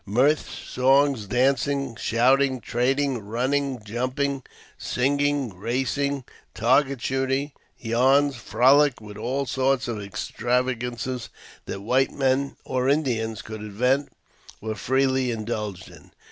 Mirth, songs, dancing, shouting, trading, running, jumping, singing, racing, target shooting, yarns, frolic, with all sorts of extravagances that white men or Indians could invent, were freely indulged in.